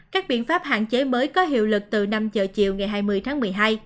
các biện pháp hạn chế mới có hiệu lực từ năm giờ chiều ngày hai mươi tháng một mươi hai